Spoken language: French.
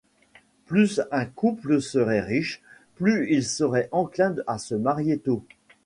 Plus un couple serait riche, plus il serait enclin à se marier tôt.